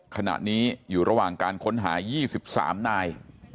ขณะนี้อยู่ระหว่างการค้นหา๒๓นาย